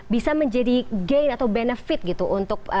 bisa menjadi gain atau benefit gitu untuk